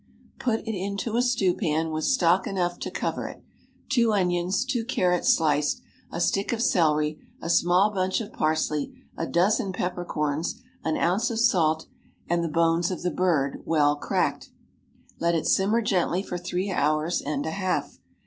Put it into a stewpan with stock enough to cover it, two onions, two carrots sliced, a stick of celery, a small bunch of parsley, a dozen peppercorns, an ounce of salt, and the bones of the bird, well cracked. Let it simmer gently for three hours and a half.